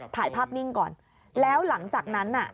ถ่ายภาพนิ่งก่อนแล้วหลังจากนั้นน่ะ